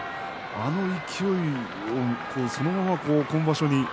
あの勢い、そのまま今場所